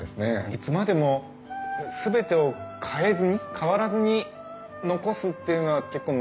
いつまでも全てを変えずに変わらずに残すっていうのは結構難しいと思うんですよね。